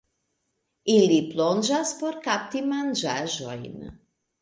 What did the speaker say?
Ili plonĝas por kapti manĝaĵojn.